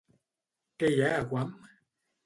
Què hi ha a Guam?